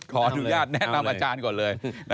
ขออนุญาตแนะนำอาจารย์ก่อนเลย